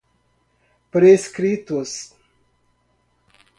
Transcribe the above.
prescritos